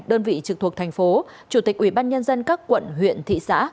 đơn vị trực thuộc thành phố chủ tịch ubnd các quận huyện thị xã